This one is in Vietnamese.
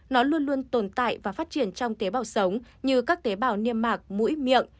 nó luôn luôn tồn tại và phát triển trong tế bào sống như các tế bào niêm mạc mũi miệng